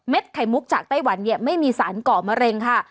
ไข่มุกจากไต้หวันเนี่ยไม่มีสารก่อมะเร็งค่ะ